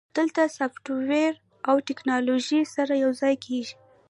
دلته سافټویر او ټیکنالوژي سره یوځای کیږي.